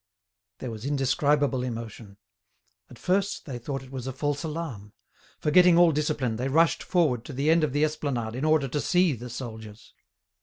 There was indescribable emotion. At first, they thought it a false alarm. Forgetting all discipline, they rushed forward to the end of the esplanade in order to see the soldiers.